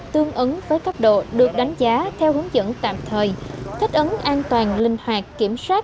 tương ứng với cấp độ được đánh giá theo hướng dẫn tạm thời thích ứng an toàn linh hoạt kiểm soát